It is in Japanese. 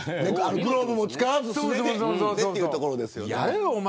グローブも使わず素手でというところですよね。